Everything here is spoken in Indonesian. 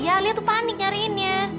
ya alia tuh panik nyariinnya